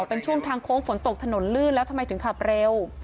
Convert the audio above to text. เป็นช่วงทางโค้งฝนตกถนนลื่นแล้วทำไมถึงขับเร็ว